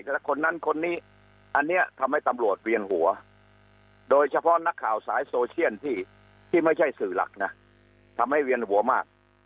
แต่คนนั้นคนนี้อันนี้ทำให้ตำรวจเวียนหัวโดยเฉพาะนักข่าวสายโซเชียนที่ไม่ใช่สื่อหลักนะทำให้เวียนหัวมาก